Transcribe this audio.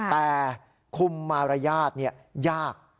แต่คุมมารยาทเนี่ยยาก